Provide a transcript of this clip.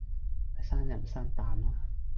咪生人唔生膽啦